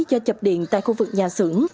do chập điện tại khu vực nhà xưởng